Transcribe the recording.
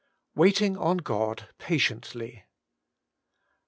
WAITESTG ON GOD: patiently.